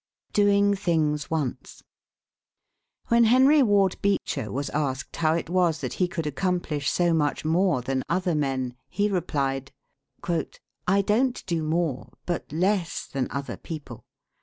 DOING THINGS ONCE. When Henry Ward Beecher was asked how it was that he could accomplish so much more than other men, he replied: "I don't do more, but less, than other people.